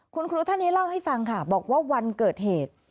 คุณครูท่านนี้เล่าให้ฟังค่ะบอกว่าวันเกิดเหตุ